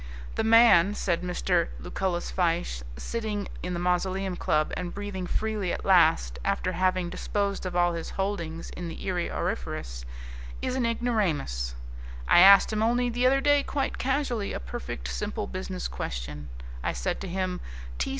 "The man," said Mr. Lucullus Fyshe, sitting in the Mausoleum Club and breathing freely at last after having disposed of all his holdings in the Erie Auriferous, "is an ignoramus. I asked him only the other day, quite casually, a perfectly simple business question. I said to him.